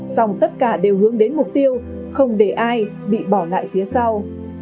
song tất cả đều hướng đến mục tiêu không để ai bị bỏ lại phía sau